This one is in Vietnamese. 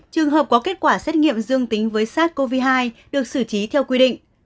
trường hợp có kết quả xét nghiệm dương tính với sars cov hai được xử trí theo quy định